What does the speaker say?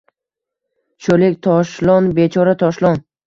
Sho’rlik Toshlon, bechora Toshlon!